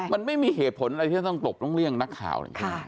มันไม่มีเหตุผลอะไรที่ต้องตบต้องเรียงนักข่าวอย่างนี้